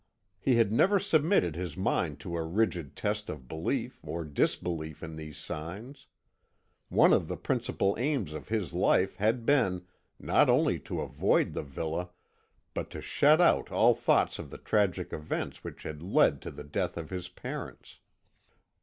He had never submitted his mind to a rigid test of belief or disbelief in these signs; one of the principal aims of his life had been, not only to avoid the villa, but to shut out all thought of the tragic events which had led to the death of his parents.